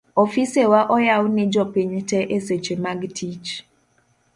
ofisewa oyaw ni jopiny te eseche mag tich